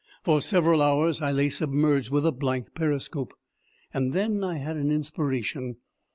For several hours I lay submerged with a blank periscope. Then I had an inspiration.